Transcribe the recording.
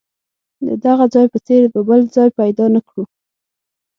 د دغه ځای په څېر به بل ځای پیدا نه کړو.